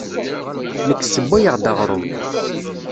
Nekk ssewwayeɣ-d aɣrum.